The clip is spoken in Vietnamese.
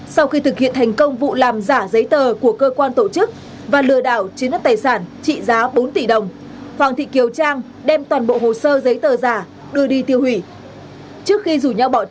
sau khi thử nghiệm ông thành đã truyền đủ số tiền bốn tỷ đồng cho các đối tượng lừa đảo